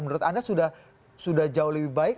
menurut anda sudah jauh lebih baik